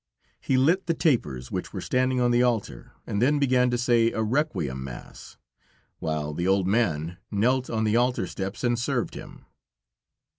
He lit the tapers, which were standing on the altar, and then began to say a Requiem Mass; while the old man knelt on the altar steps and served him.